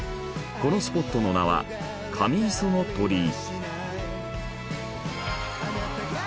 このスポットの名は神磯の鳥居。